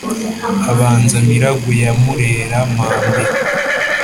habanza miragwe ya nyamurera-mpabe